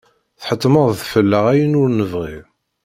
Tḥettmeḍ fell-aɣ ayen ur nebɣi.